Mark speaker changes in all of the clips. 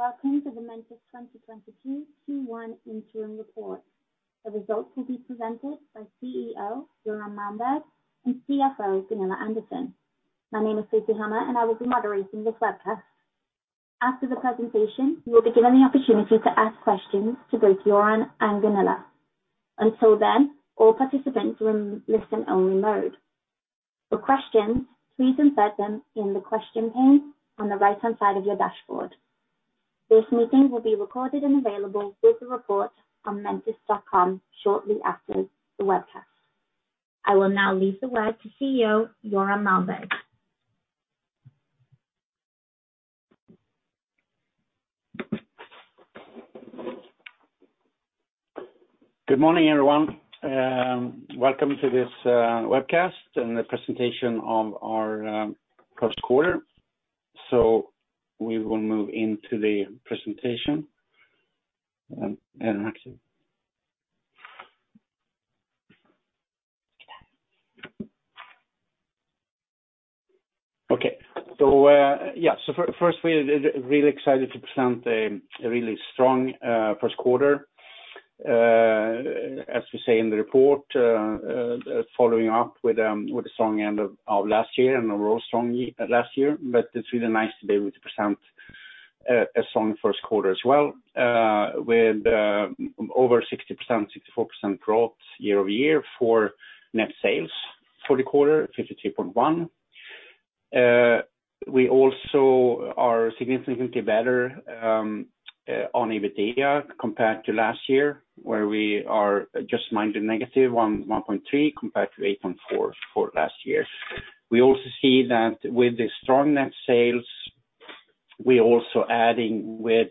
Speaker 1: Welcome to the Mentice 2022 Q1 interim report. The results will be presented by CEO Göran Malmberg, and CFO Gunilla Andersson. My name is Stacy Hammar, and I will be moderating this webcast. After the presentation, you will be given the opportunity to ask questions to both Göran and Gunilla. Until then, all participants are in listen-only mode. For questions, please insert them in the question pane on the right-hand side of your dashboard. This meeting will be recorded and available with the report on mentice.com, shortly after the webcast. I will now leave the word to CEO Göran Malmberg.
Speaker 2: Good morning, everyone. Welcome to this webcast and the presentation of our first quarter. We will move into the presentation. First, we're really excited to present a really strong first quarter. As we say in the report, following up with a strong end of last year, and overall strong last year. It's really nice to be able to present a strong first quarter as well, with over 60%, 64% growth year-over-year for net sales for the quarter, 52.1. We also are significantly better on EBITDA compared to last year, where we are just minor negative, -1.3 compared to -8.4 for last year. We also see that with the strong net sales, we're also adding to the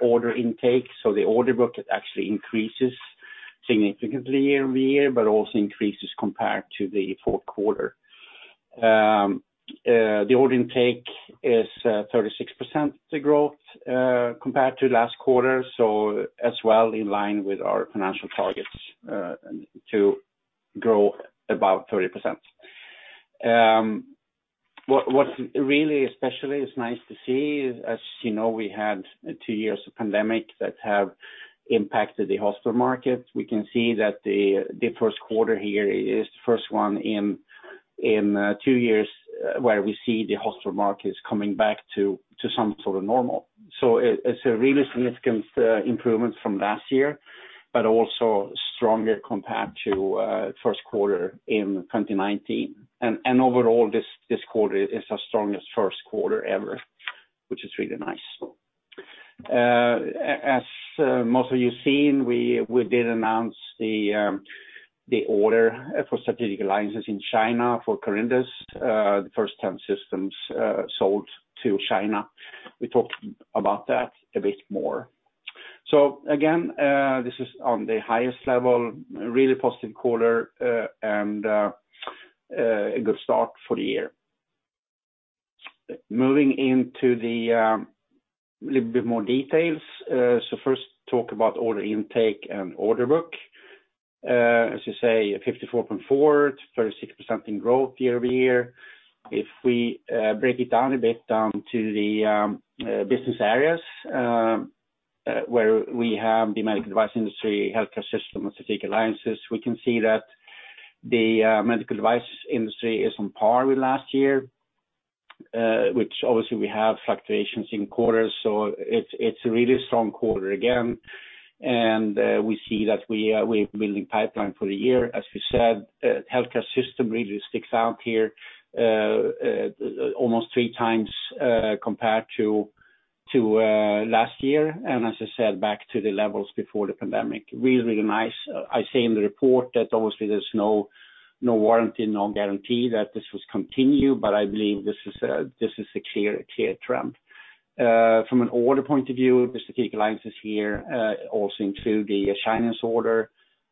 Speaker 2: order intake. The order book actually increases, significantly year-over-year, but also increases compared to the fourth quarter. The order intake is 36% growth compared to last quarter, so as well in line with our financial targets to grow about 30%. What's really especially nice to see is, as you know, we had two years of pandemic that have impacted the hospital market. We can see that the first quarter here is the first one in two years where we see the hospital markets coming back to some sort of normal. It's a really significant improvement from last year, but also stronger compared to first quarter in 2019. Overall, this quarter is our strongest first quarter ever, which is really nice. As most of you've seen, we did announce the order for strategic alliances in China for Corindus, the first 10 systems sold to China. We talked about that a bit more. This is on the highest level, really positive quarter, and a good start for the year. Moving into a little bit more details. First talk about order intake and order book. As you say, 54.4, 36% in growth year-over-year. If we break it down a bit to the business areas where we have the medical device industry, healthcare system, and strategic alliances, we can see that, the medical device industry is on par with last year, which obviously we have fluctuations in quarters, so it's a really strong quarter again. We see that we're building pipeline for the year. As we said, healthcare system really sticks out here, almost three times compared to last year, and as I said, back to the levels before the pandemic. Really nice. I say in the report that obviously there's no warranty, no guarantee that this will continue, but I believe this is a clear trend. From an order point of view, the strategic alliances here also include the Chinese order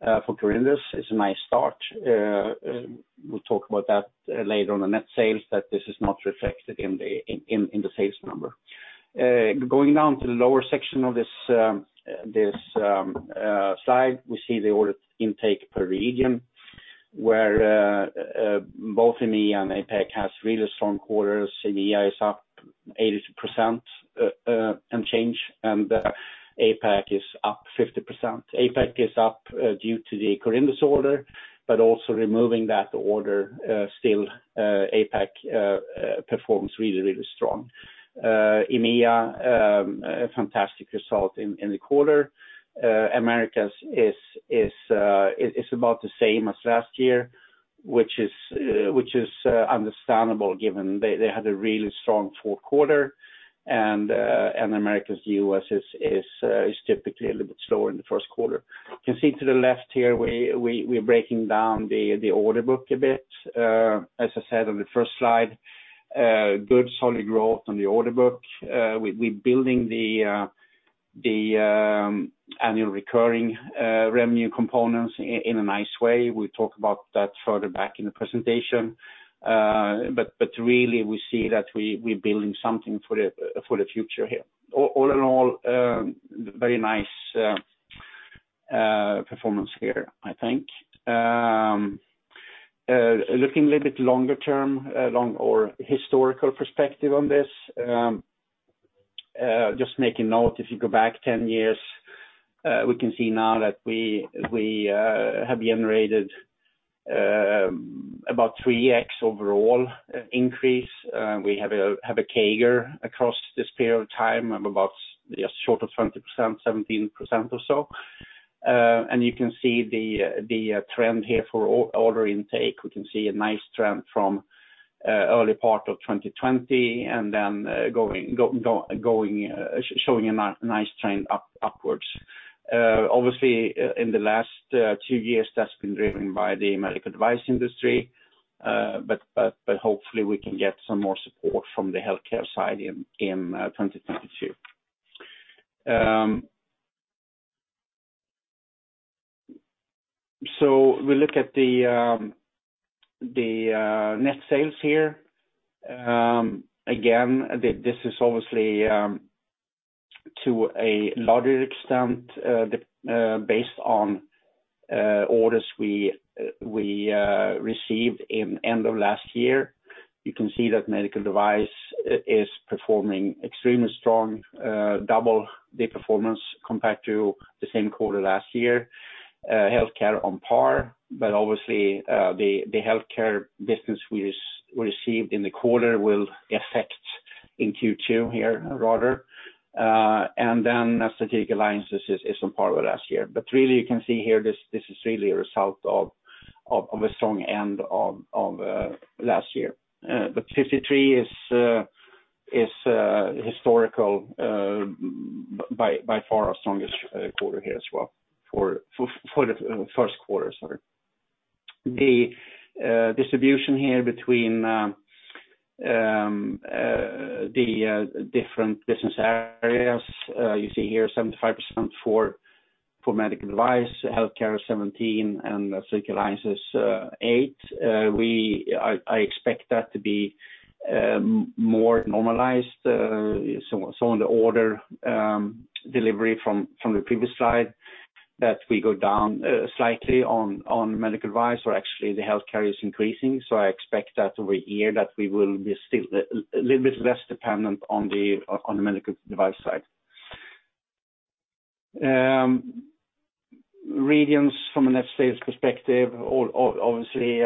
Speaker 2: for Corindus. It's a nice start. We'll talk about that later on the net sales, that this is not reflected in the sales number. Going down to the lower section of this slide, we see the order intake per region, where both EMEA and APAC has really strong quarters. EMEA is up 80% and change, and APAC is up 50%. APAC is up due to the Corindus order, but also removing that order, still APAC performs really strong. EMEA, a fantastic result in the quarter. Americas is about the same as last year, which is understandable given they had a really strong fourth quarter, and Americas, U.S. is typically a little bit slower in the first quarter. You can see to the left here, we're breaking down the order book a bit. As I said on the first slide, good solid growth on the order book. We're building the, annual recurring revenue components in a nice way. We'll talk about that further back in the presentation. Really we see that we're building something for the future here. All in all, very nice performance here, I think. Looking a little bit longer term, longer historical perspective on this, just making a note, if you go back 10 years, we can see now that we have generated about 3x overall increase. We have a CAGR across this period of time, of about just short of 20%, 17% or so. You can see the trend here for order intake. We can see a nice trend from early part of 2020, and then going, showing a nice trend upwards. Obviously, in the last two years, that's been driven by the medical device industry. Hopefully we can get some more support from the healthcare side in 2022. We look at the net sales here. Again, this is obviously, to a larger extent based on orders we received in the end of last year. You can see that Medical Device is performing extremely strong, double the performance compared to the same quarter last year. Healthcare on par, but obviously the healthcare business we received in the quarter will affect in Q2 here rather. Strategic Alliances is on par with last year. Really you can see here this is really a result of a strong end of last year. 53% is, historically by far our strongest quarter here as well for the first quarter, sorry. The distribution here between the different business areas, you see here 75% for medical device, healthcare 17%, and strategic alliances 8%. I expect that to be more normalized, so in the order delivery from the previous slide, that we go down slightly on medical device or actually the healthcare is increasing. I expect that over a year that we will be still a little bit less dependent on the medical device side. Regions from a net sales perspective, obviously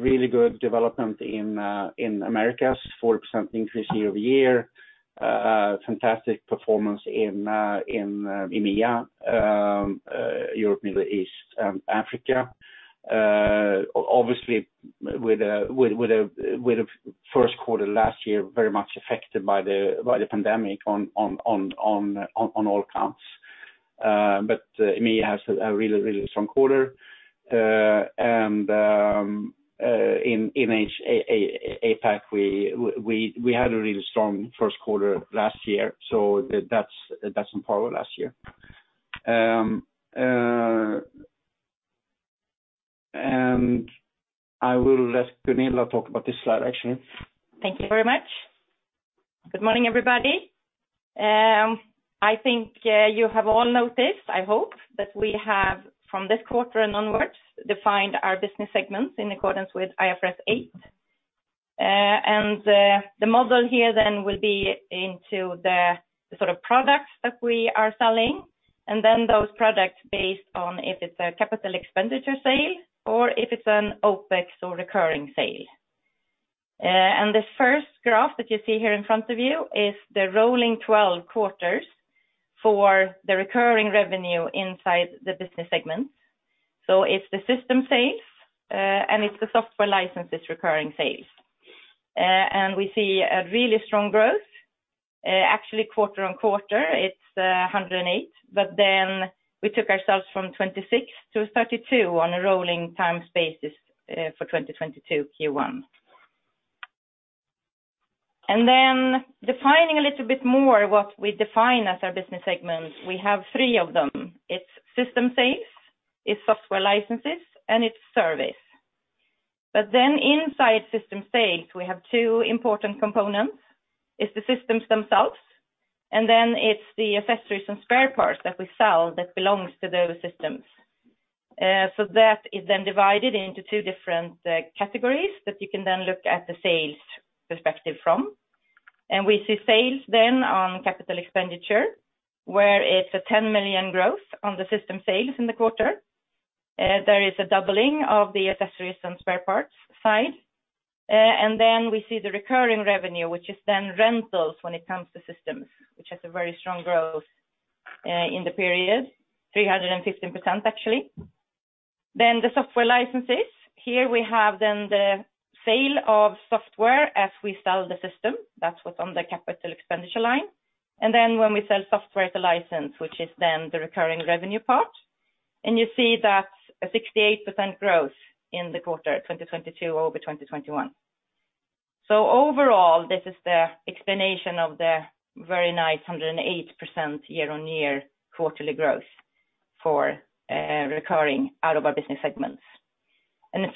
Speaker 2: really good development in Americas, 4% increase year-over-year. Fantastic performance in EMEA, Europe, Middle East, Africa. Obviously, with a first quarter last year very much affected by the pandemic on all counts. EMEA has a really strong quarter. In APAC, we had a really strong first quarter last year. That's on par with last year. I will let Gunilla talk about this slide actually.
Speaker 3: Thank you very much. Good morning, everybody. I think you have all noticed, I hope, that we have from this quarter and onwards, defined our business segments in accordance with IFRS 8. The model here then will be into the sort of products that we are selling, and then those products based on if it's a capital expenditure sale, or if it's an OPEX or recurring sale. The first graph that you see here in front of you is the rolling 12 quarters, for the recurring revenue inside the business segments. It's the system sales, and it's the software licenses recurring sales. We see a really strong growth, actually quarter-on-quarter, it's 108%. We took ourselves from 26%-32% on a rolling timescale for 2022 Q1. Defining a little bit more what we define as our business segments. We have three of them. It's system sales, it's software licenses, and it's service. Inside system sales, we have two important components. It's the systems themselves, and then it's the accessories and spare parts that we sell that belongs to those systems. So that is then divided into two different categories that you can then look at the sales perspective from. We see sales then on capital expenditure, where it's a 10 million growth on the system sales in the quarter. There is a doubling of the accessories and spare parts side. We see the recurring revenue, which is then rentals when it comes to systems, which has a very strong growth in the period, 315% actually. Then the software licenses. Here we have then the sale of software as we sell the system. That's what's on the CapEx line. Then when we sell software as a license, which is then the recurring revenue part, and you see that a 68% growth in the quarter 2022 over 2021. Overall, this is the explanation of the very nice 108% year-on-year quarterly growth for recurring out of our business segments.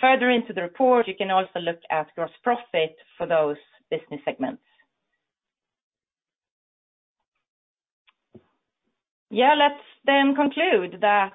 Speaker 3: Further into the report, you can also look at gross profit for those business segments. Yeah, let's then conclude that,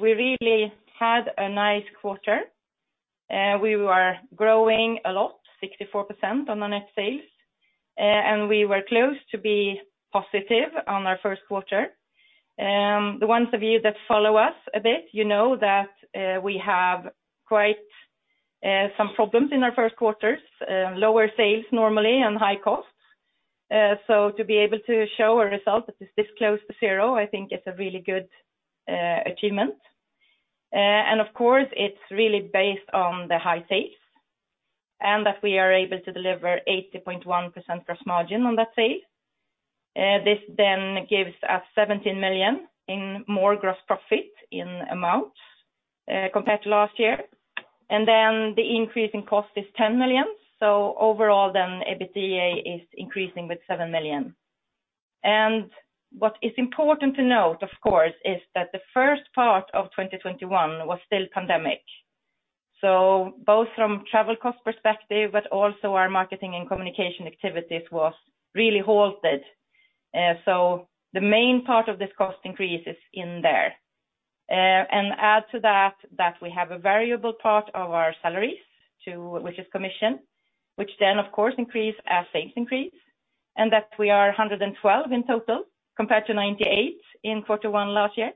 Speaker 3: we really had a nice quarter. We were growing a lot, 64% on the net sales. We were close to be positive on our first quarter. The ones of you that follow us a bit, you know that we have quite some problems in our first quarters, lower sales normally and high costs. To be able to show a result that is this close to zero, I think is a really good achievement. Of course, it's really based on the high sales, and that we are able to deliver 80.1% gross margin on that sale. This gives us 17 million more in gross profit in amount, compared to last year. The increase in cost is 10 million. Overall, EBITDA is increasing with 7 million. What is important to note, of course, is that the first part of 2021 was still pandemic. Both from travel cost perspective, but also our marketing and communication activities was really halted. The main part of this cost increase is in there. Add to that we have a variable part of our salaries which is commission, which then of course, increase as sales increase, and that we are 112 in total compared to 98 in quarter one last year.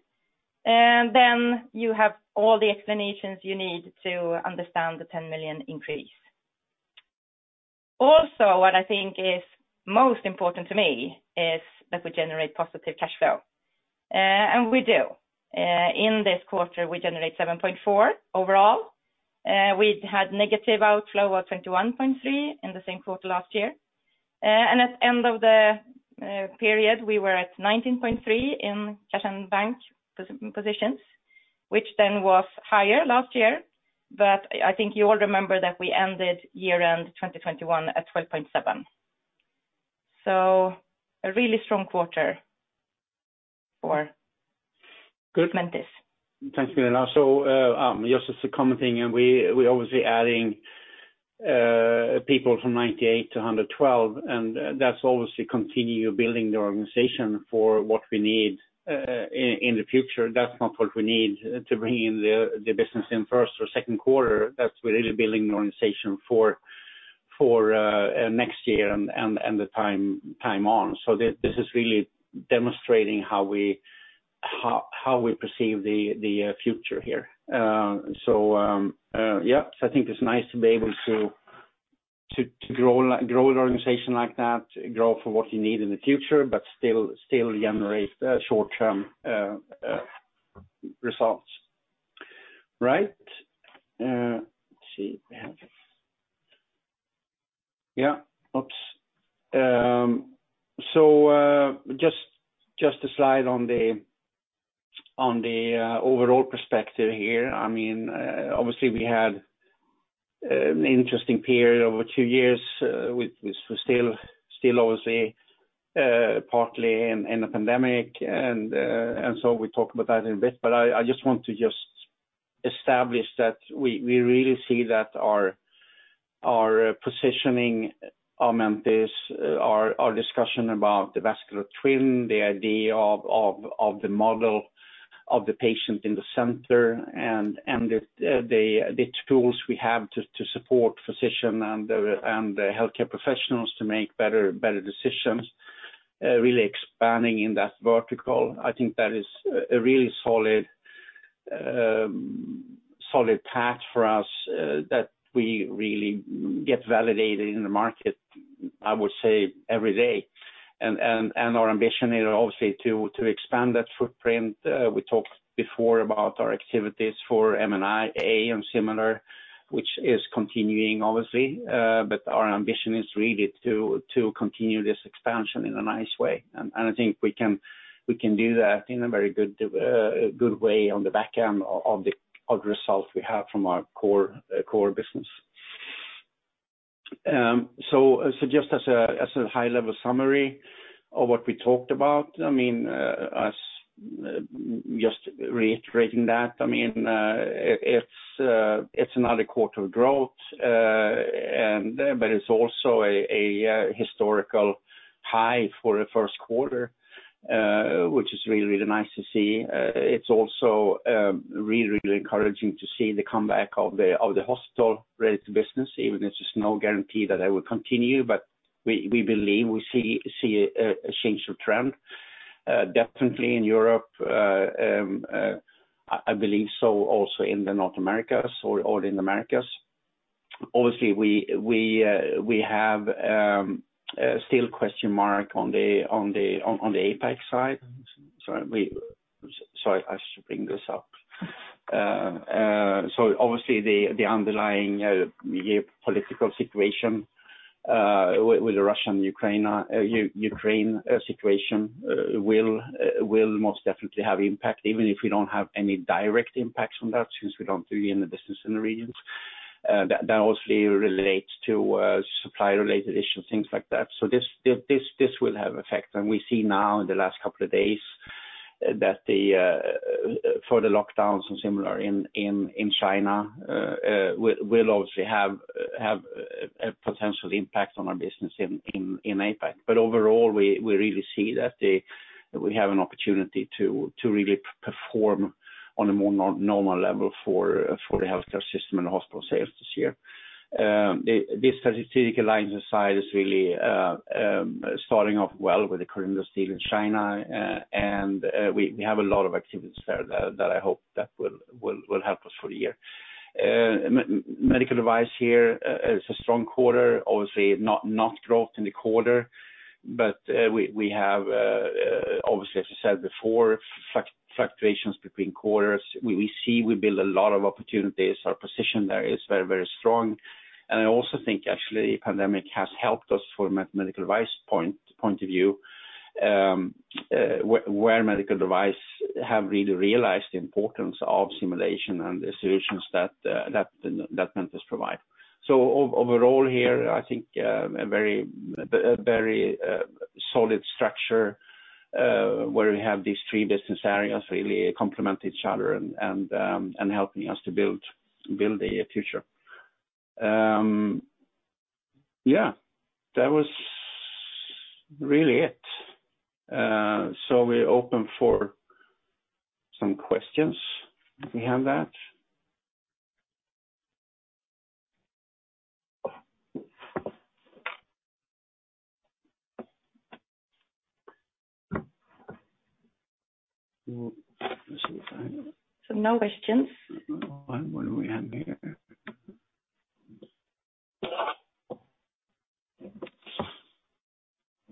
Speaker 3: Then you have all the explanations you need to understand the 10 million increase. Also, what I think is most important to me is that we generate positive cash flow. We do. In this quarter, we generate 7.4 million overall. We had negative outflow of 21.3 million in the same quarter last year. At end of the period, we were at 19.3 in cash and bank positions, which then was higher last year. I think you all remember that we ended year-end 2021 at 12.7. A really strong quarter for Mentice.
Speaker 2: Thanks, Gunilla. Just as a common thing, we are obviously adding people from 98 to 112, and that's obviously continue building the organization for what we need in the future. That's not what we need to bring in the business in first or second quarter. That's really building the organization for next year and the time on. This is really demonstrating how we perceive the future here. Yeah. I think it's nice to be able to grow an organization like that, grow for what you need in the future, but still generate short-term results. Right. Let's see. Yeah. Oops. Just a slide on the overall perspective here. I mean, obviously we had, an interesting period over two years, which we're still obviously partly in a pandemic. So we talked about that a bit, but I just want to establish that we really see that our positioning, our Mentice, our discussion about the Vascular Twin, the idea of the model of the patient in the center, and the tools we have to support physician and the healthcare professionals to make better decisions, really expanding in that vertical. I think that is a really solid path for us, that we really get validated in the market, I would say every day. Our ambition is obviously to expand that footprint. We talked before about our activities for M&A and similar, which is continuing obviously. Our ambition is really to continue this expansion in a nice way. I think we can do that in a very good way on the back of the results we have from our core business. Just as a high-level summary of what we talked about, I mean, just reiterating that, I mean, it's another quarter of growth. It's also a historical high for a first quarter, which is really nice to see. It's also really encouraging to see the comeback of the hospital-related business, even if there's no guarantee that it will continue. But, we believe we see a change of trend definitely in Europe. I believe so also in the North America or in the Americas. Obviously, we have still question mark on the APAC side. Sorry, I should bring this up. Obviously the underlying political situation with Russia and Ukraine situation, will most definitely have impact, even if we don't have any direct impacts from that, since we don't do any business in the regions. That also relates to supply-related issues, things like that. This will have effect. We see now in the last couple of days, that the further lockdowns and similar in China, will obviously have a potential impact on our business in APAC. Overall, we really see that we have an opportunity to really perform, on a more normal level for the healthcare system and hospital sales this year. This strategic alliance side is really starting off well with the current deal still in China. We have a lot of activities there that I hope that will help us for the year. Medical device here is a strong quarter, obviously not growth in the quarter, but we have obviously, as I said before, fluctuations between quarters. We see we build a lot of opportunities. Our position there is very strong. I also think actually the pandemic has helped us from a medical device point of view, where medical devices have really realized the importance of simulation and the solutions that Mentice provide. Overall here, I think a very solid structure where we have these three business areas really complement each other, and helping us to build a future. Yeah, that was really it. We're open for some questions if we have that.
Speaker 1: No questions.
Speaker 2: What do we have here?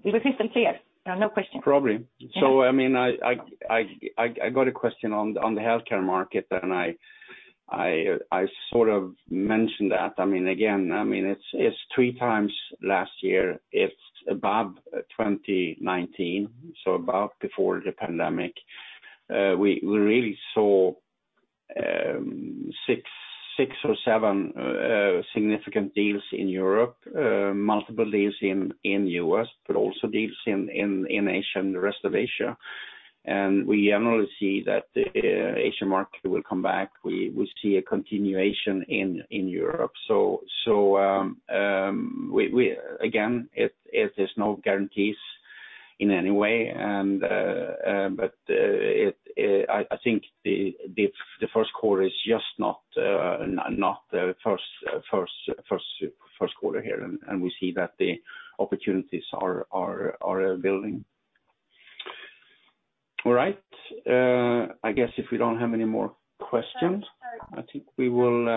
Speaker 1: We will keep them clear. No questions.
Speaker 2: No problem.
Speaker 1: Yeah.
Speaker 2: I mean, I got a question on the healthcare market, and I sort of mentioned that. I mean, again, it's three times last year. It's above 2019, so about before the pandemic. We really saw six or seven significant deals in Europe, multiple deals in U.S., but also deals in Asia and the rest of Asia. We generally see that the Asian market will come back. We see a continuation in Europe. Again, there's no guarantees in any way. I think the first quarter is just not the first quarter here, and we see that the opportunities are building. All right. I guess if we don't have any more questions.
Speaker 1: Sorry.
Speaker 2: I think we will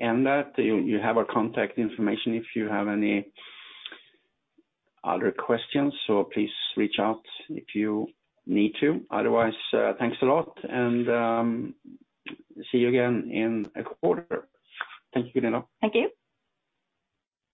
Speaker 2: end that. You have our contact information if you have any other questions. Please reach out if you need to. Otherwise, thanks a lot and see you again in a quarter. Thank you, Stacy Hammar.
Speaker 1: Thank you.